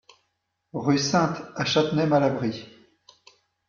Rue Sintes à Châtenay-Malabry